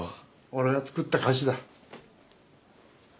俺が作った菓子だ。